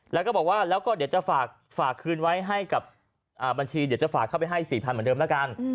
แล้วก็บอกว่าแล้วก็เดี๋ยวจะฝากคืนไว้ให้กับบัญชีเดี๋ยวจะฝากเข้าไปให้๔๐๐เหมือนเดิมแล้วกัน